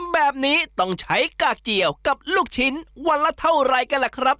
แบบนี้ต้องใช้กากเจียวกับลูกชิ้นวันละเท่าไรกันล่ะครับ